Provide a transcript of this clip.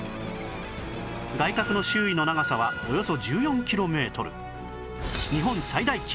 外郭の周囲の長さはおよそ１４キロメートル